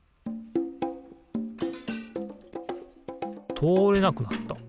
とおれなくなった。